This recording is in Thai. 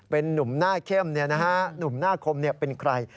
เป็นนุ่มหน้าเข้มหนุ่มหน้าคมเป็นใคร